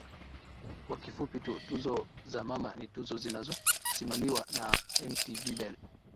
kwa kifupi tu tuzo za mama ni tuzo zinazo simamiwa na mtv bell